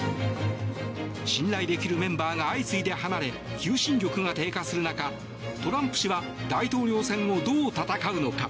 信頼できるメンバーが相次いで離れ求心力が低下する中トランプ氏は大統領選をどう戦うのか。